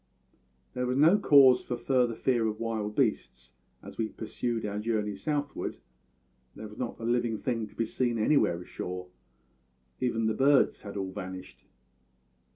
"There was no cause for further fear of wild beasts as we pursued our journey southward; there was not a living thing to be seen anywhere ashore; even the birds had all vanished.